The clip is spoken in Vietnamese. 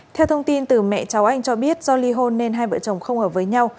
theo thông tin từ mẹ cháu anh cho biết do ly hôn nên hai vợ chồng không hợp với nhau